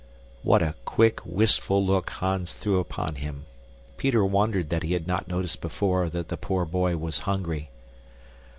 What a quick, wistful look Hans threw upon him! Peter wondered that he had not noticed before that the poor boy was hungry.